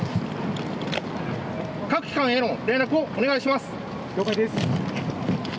各機関への連絡をお願いします。